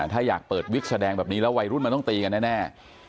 ถ้าอยากเปิดวิกแสดงแบบนี้แล้ววัยรุ่นมันต้องตีกันแน่